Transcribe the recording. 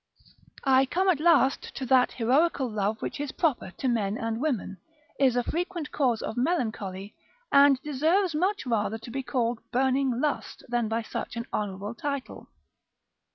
I come at last to that heroical love which is proper to men and women, is a frequent cause of melancholy, and deserves much rather to be called burning lust, than by such an honourable title.